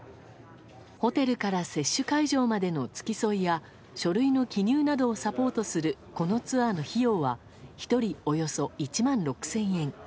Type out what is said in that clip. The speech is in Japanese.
ホテルから接種会場までの付き添いや書類の記入などをサポートするこのツアーの費用は１人およそ１万６０００円。